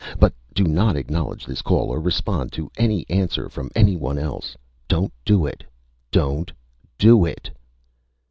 But do not acknowledge this call or respond to any answer from anyone else! Don't do it! Don't do it!